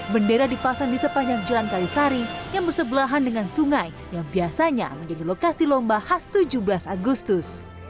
bendera dipasang di sepanjang jalan kalisari yang bersebelahan dengan sungai yang biasanya menjadi lokasi lomba khas tujuh belas agustus